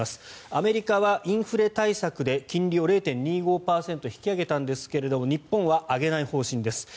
アメリカはインフレ対策で金利を０．２５％引き上げたんですが日本は上げない方針です。